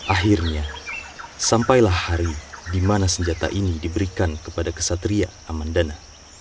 akhirnya sampailah hari di mana senjata ini diberikan kepada kesatria amandana